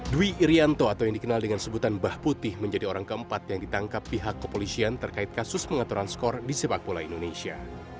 dwi irianto atau yang dikenal dengan sebutan bah putih menjadi orang keempat yang ditangkap pihak kepolisian terkait kasus pengaturan skor di sepak bola indonesia